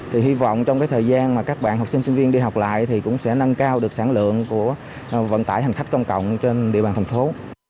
thì hy vọng trong cái thời gian mà các bạn học sinh sinh viên đi học lại thì cũng sẽ nâng cao được sản lượng của vận tải hành khách công cộng trên địa bàn thành phố